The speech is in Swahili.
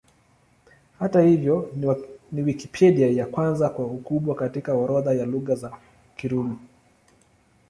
Hata hivyo, ni Wikipedia ya kwanza kwa ukubwa katika orodha ya Lugha za Kirumi.